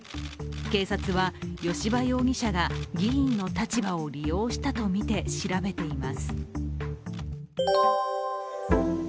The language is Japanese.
警察は吉羽容疑者が議員の立場を利用したとみて調べています。